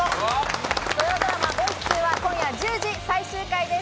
土曜ドラマ『ボイス２』は今夜１０時最終回です。